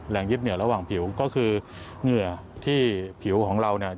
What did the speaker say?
ยึดเหนียวระหว่างผิวก็คือเหงื่อที่ผิวของเราเนี่ย